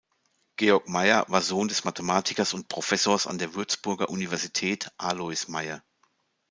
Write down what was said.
Georg Mayr war Sohn des Mathematikers und Professors an der Würzburger Universität Aloys Mayr.